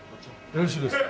よろしいですって。